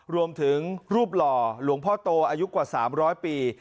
รวมถึงรูปหล่อหลวงพ่อโตอายุกว่า๓๐๐ปี